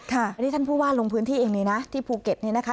อันนี้ท่านผู้ว่าลงพื้นที่เองเลยนะที่ภูเก็ตนี่นะคะ